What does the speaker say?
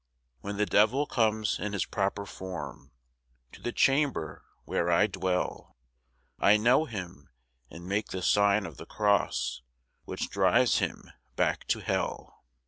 When the Devil comes in his proper form To the chamber where I dwell, I know him and make the Sign of the Cross Which drives him back to Hell.